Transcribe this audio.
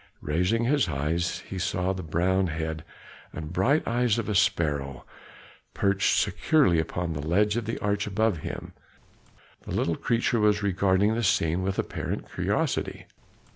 Raising his eyes he saw the brown head and bright eyes of a sparrow, perched securely upon the ledge of the arch above him; the little creature was regarding the scene with apparent curiosity.